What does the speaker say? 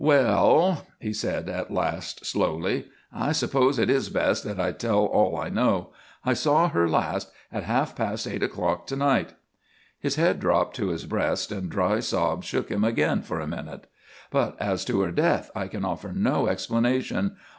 "Well," he said at last slowly, "I suppose it is best that I tell all I know. I saw her last at half past eight o'clock to night." His head dropped to his breast and dry sobs shook him again for a minute. "But as to her death I can offer no explanation.